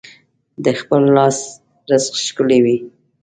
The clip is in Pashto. د خپل لاس رزق ښکلی وي.